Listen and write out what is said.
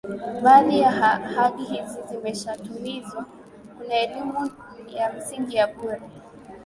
Baadhi ya ahadi hizi zimeshatimizwa kuna elimu ya msingi ya bure